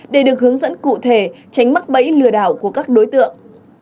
để được hướng dẫn cụ thể tránh mắc bẫy lừa đảo của các đối tượng